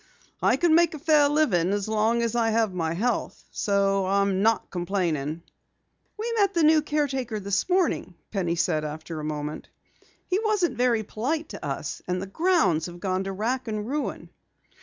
I can make a fair living as long as I have my health, so I'm not complaining." "We met the new caretaker this morning," Penny said after a moment. "He wasn't very polite to us, and the grounds have gone to wrack and ruin."